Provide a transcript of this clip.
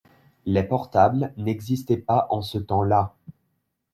Les portables n’existaient pas en ce temps-là.